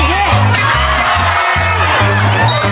ไปไป